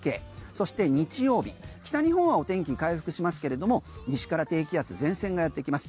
そして日曜日北日本はお天気回復しますけれども西から低気圧、前線がやってきます。